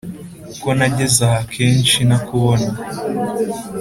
ko nagezaha kenshi ntakubona